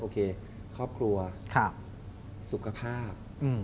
ครอบครัวสุขภาพ